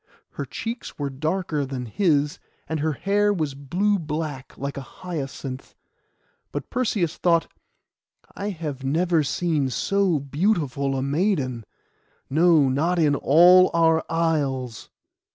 Her cheeks were darker than his were, and her hair was blue black like a hyacinth; but Perseus thought, 'I have never seen so beautiful a maiden; no, not in all our isles.